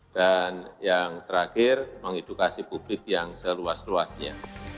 dan yang terakhir mengedukasi publik yang seluas luasnya